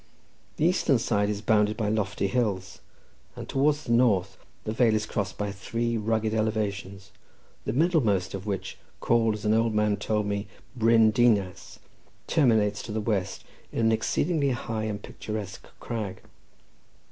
The eastern side is bounded by lofty hills, and towards the north the vale is crossed by three rugged elevations, the middlemost of which, called, as an old man told me, Bryn Dinas, terminates to the west in an exceedingly high and picturesque crag.